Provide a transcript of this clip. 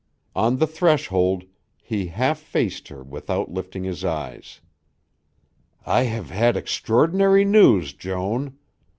On the threshold he half faced her without lifting his eyes. "I have had extraordinary news, Joan.